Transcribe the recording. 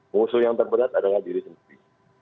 musuh yang terberat adalah diri sendiri